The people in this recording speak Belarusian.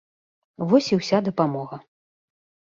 Вось і ўся дапамога.